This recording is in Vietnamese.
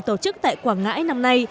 tổ chức tại quảng ngãi năm nay